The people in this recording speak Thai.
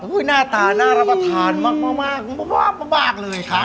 หน้าตาน่ารับทานมาก